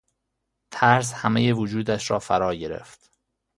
ترس همهی وجودش را فرا گرفت.